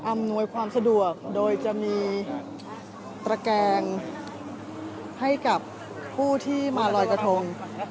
อำนวยความสะดวกโดยจะมีตระแกงให้กับผู้ที่มาลอยกระทง